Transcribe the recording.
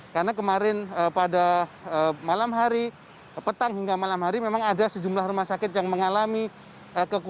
karena kemarin pada malam hari petang hingga malam hari memang ada sejumlah rumah sakit yang mengalami kekurangan